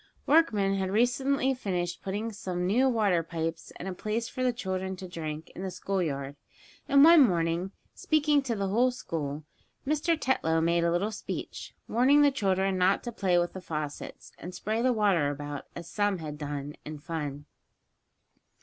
Workmen had recently finished putting some new water pipes, and a place for the children to drink, in the school yard, and one morning, speaking to the whole school, Mr. Tetlow made a little speech, warning the children not to play with the faucets, and spray the water about, as some had done, in fun.